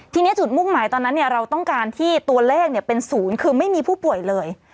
ทีนี้จุดมุ่งหมายตอนนั้นเราต้องการที่ตัวเลขเป็นศูนย์คือไม่มีผู้ป่วยเลย